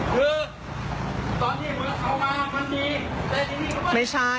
ดูคลิปกันก่อนนะครับแล้วเดี๋ยวมาเล่าให้ฟังนะครับ